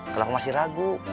kenapa masih ragu